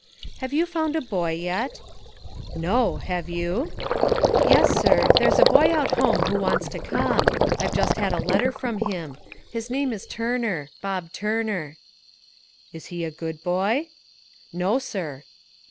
"Have you found a boy yet?" "No. Have you?" "Yes, sir; there's a boy out home who wants to come; I've just had a letter from him. His name is Turner Bob Turner." "Is he a good boy?" "No, sir."